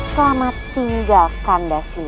selamat tinggal kandasiliwang